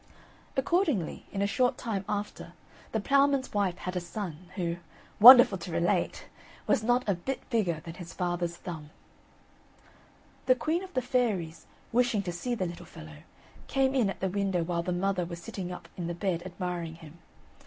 Accordingly, in a short time after, the ploughman's wife had a son, who, wonderful to relate! was not a bit bigger than his father's thumb. The queen of the fairies, wishing to see the little fellow, came in at the window while the mother was sitting up in the bed admiring him.